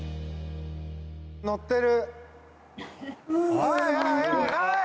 乗ってる！